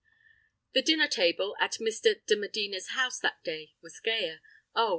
The dinner table at Mr. de Medina's house that day, was gayer—oh!